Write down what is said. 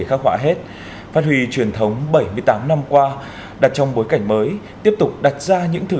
khắc họa hết phát huy truyền thống bảy mươi tám năm qua đặt trong bối cảnh mới tiếp tục đặt ra những thử